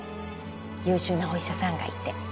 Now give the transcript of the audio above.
優秀なお医者さんがいて